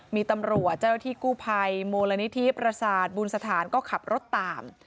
มีตำรวจที่กู้ภัยมวลณิธิปรศาสตร์บุญสถานก็ขับรถตาม